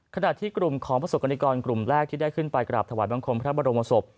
ขณะที่กลุ่มของประสบกรณิกรกลุ่มแรกที่ได้ขึ้นไปกราบถวายบังคมพระบรมศพ